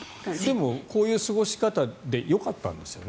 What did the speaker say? でも、こういう過ごし方でよかったんですよね。